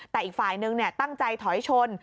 แต่อีกฝ่ายหนึ่งเนี่ยตั้งใจถอยชน